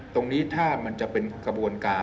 ตรงนี้ถ้ามันจะเป็นกระบวนการ